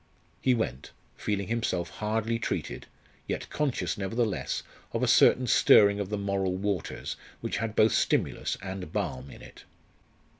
He went, feeling himself hardly treated, yet conscious nevertheless of a certain stirring of the moral waters which had both stimulus and balm in it.